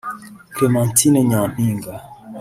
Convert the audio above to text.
Clementine Nyampinga